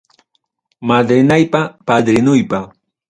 Madrinaypa padrinuypa.